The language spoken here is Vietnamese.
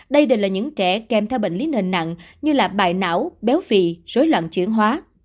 đây đều là những trẻ kèm theo bệnh lý nền nặng như bài não béo vị rối loạn chuyển hóa